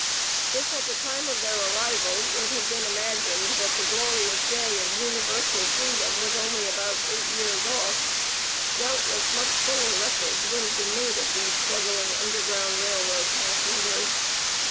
If at the time of their arrival, it had been imagined that the glorious day of universal freedom was only about eight years off, doubtless much fuller records would have been made of these struggling Underground Rail Road passengers.